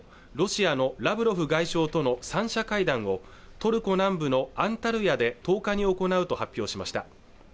ロシアのラブロフ外相との三者会談をトルコ南部のアンタルヤで１０日に行うと発表しました